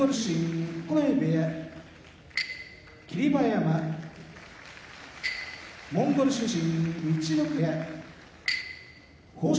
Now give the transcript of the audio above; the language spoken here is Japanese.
馬山モンゴル出身陸奥部屋豊昇